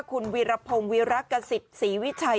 คุณวีรพมวีระกะศิกษ์ศรีวิชัย